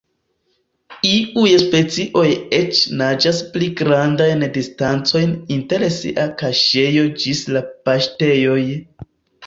Iuj specioj eĉ naĝas pli grandajn distancojn inter sia kaŝejo ĝis la "paŝtejoj".